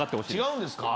違うんですか？